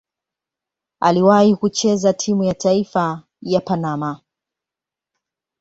Aliwahi kucheza timu ya taifa ya Panama.